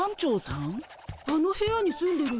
あの部屋に住んでる人